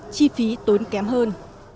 chi phí tốn kém hơn